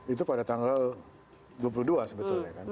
itu pada tanggal dua puluh dua sebetulnya kan